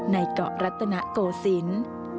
ในเกาะรัตนโกศิลป์